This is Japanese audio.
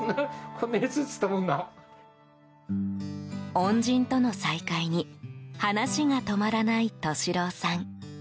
恩人との再会に話が止まらない利郎さん。